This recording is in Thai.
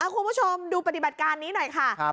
คุณผู้ชมดูปฏิบัติการนี้หน่อยค่ะ